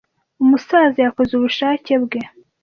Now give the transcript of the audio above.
Umusaza yakoze ubushake bwe.